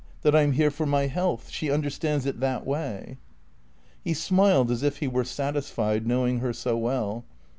That I'm here for my health. She understands it that way." He smiled as if he were satisfied, knowing her so well.